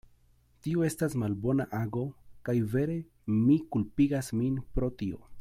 Tio estas malbona ago; kaj vere mi kulpigas min pro tio.